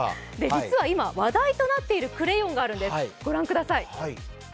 実は今、話題となっているクレヨンがあるんです。